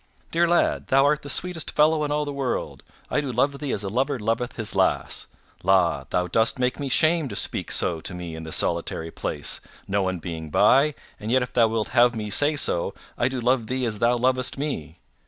"Dear lad, thou art the sweetest fellow in all the world, I do love thee as a lover loveth his lass. La, thou dost make me shamed to speak so to me in this solitary place, no one being by, and yet if thou wilt have me say so, I do love thee as thou lovest me.